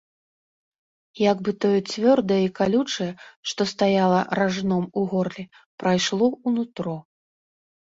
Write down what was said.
Як бы тое цвёрдае і калючае, што стаяла ражном у горле, прайшло ў нутро.